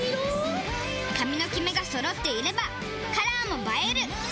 髪のキメがそろっていればカラーも映える！